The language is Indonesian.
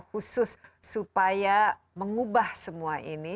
khusus supaya mengubah semua ini